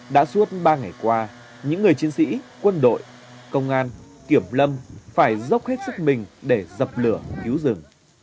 đã suốt ba ngày qua những người chiến sĩ quân đội công an kiểm lâm phải dốc hết sức mình để dập lửa cứu rừng